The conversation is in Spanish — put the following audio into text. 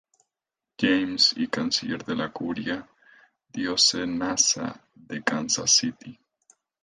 James y canciller de la curia diocesana de Kansas City.